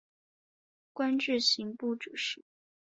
官至刑部主事。